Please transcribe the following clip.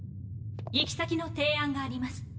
行き先の提案があります。